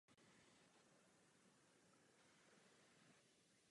Hlavní závod "Velká pařížská steeplechase" se odehrává každoročně v květnu.